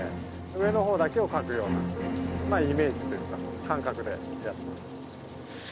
上の方だけを掻くようなイメージというか感覚でやってます。